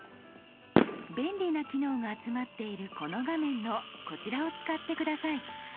便利な機能が集まっているこの画面のこちらを使って下さい。